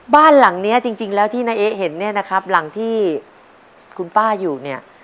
บ้านหลังเนี้ยจริงแล้วที่น้าเอ๊ะเห็นเนี่ยนะครับหลังที่คุณป้าอยู่เนี่ย